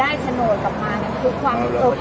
แล้วก็จะกรรมรอดทั้งหมดแล้วก็จะกรรมรอดทั้งหมด